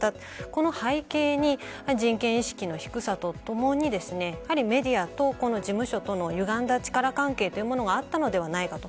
この背景に人権意識の低さとともにメディアと事務所とのゆがんだ力関係というものがあったのではないかと。